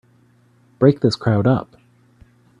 Break this crowd up!